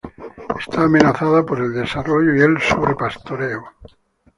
Está amenazada por el desarrollo y el sobrepastoreo.